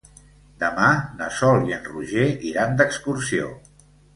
Demà na Sol i en Roger iran d'excursió.